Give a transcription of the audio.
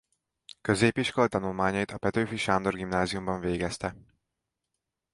Középiskolai tanulmányait a Petőfi Sándor Gimnáziumban végezte.